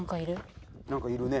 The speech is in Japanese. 何かいるね。